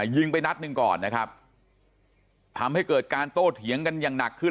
ยิงไปนัดหนึ่งก่อนนะครับทำให้เกิดการโต้เถียงกันอย่างหนักขึ้น